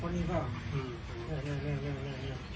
โทษมากโทษมาก